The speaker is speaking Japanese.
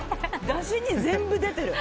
だしに全部出てる。